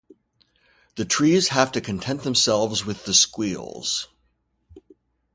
The trees have to content themselves with the squeals.